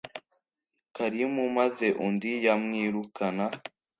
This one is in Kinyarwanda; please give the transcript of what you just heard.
kalimu maze undi yamwirukana